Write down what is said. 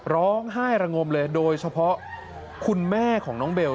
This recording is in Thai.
ร้องไห้ระงมเลยโดยเฉพาะคุณแม่ของน้องเบล